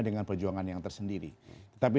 dengan perjuangan yang tersendiri tetapi